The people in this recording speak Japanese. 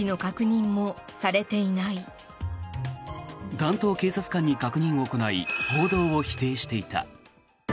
担当警察官に確認を行い報道を否定していた。